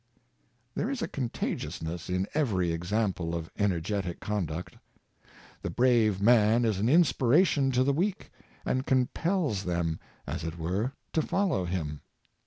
There is a contagiousness in every example of ener getic conduct. The brave man is an inspiration to the weak, and compels them, as it were, to follow him.